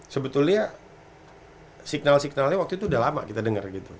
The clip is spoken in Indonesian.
sebetulnya signal signalnya waktu itu udah lama kita dengar gitu